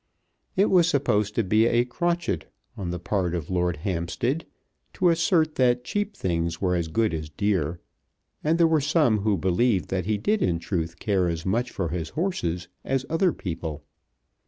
It was supposed to be a crotchet on the part of Lord Hampstead to assert that cheap things were as good as dear, and there were some who believed that he did in truth care as much for his horses as other people.